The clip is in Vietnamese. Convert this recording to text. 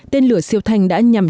tên lửa siêu thanh đã nhằm